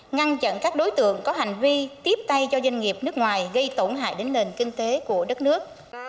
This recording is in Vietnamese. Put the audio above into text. ngăn chặn các đối tượng có hành vi tiếp tay cho doanh nghiệp nước ngoài gây tổn hại đến nền kinh tế của đất nước